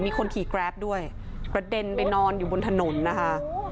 มีคนขี่แกรปด้วยกระเด็นไปนอนอยู่บนถนนนะคะ